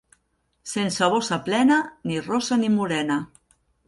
Sense bossa plena, ni rossa ni morena.